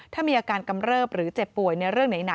ถ้ามีอาการกำเริบหรือเจ็บป่วยในเรื่องไหน